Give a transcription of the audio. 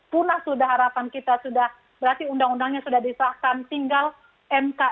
punah sudah harapan kita sudah berarti undang undangnya sudah disahkan tinggal mk